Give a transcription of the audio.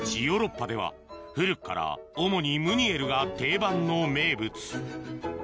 ヨーロッパでは古くから主にムニエルが定番の名物